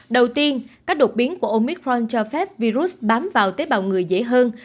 đầu tiên các đột biến của omicron cho phép virus bám vào tế bào người dễ hơn